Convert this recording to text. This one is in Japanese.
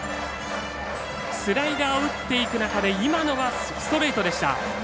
スライダーを打っていく中で今のはストレートでした。